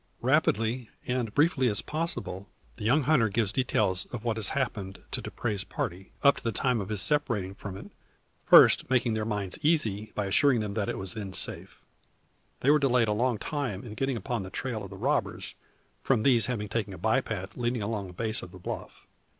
Rapidly and briefly as possible the young hunter gives details of what has happened to Dupre's party, up to the time of his separating from it; first making their minds easy by assuring them it was then safe. They were delayed a long time in getting upon the trail of the robbers, from these having taken a bye path leading along the base of the bluff.